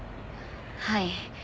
はい。